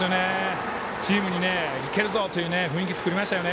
チームにいけるぞという雰囲気を作りましたね。